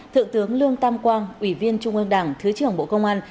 thượng tướng lương tam quang ủy viên trung ương đảng thứ trưởng bộ công an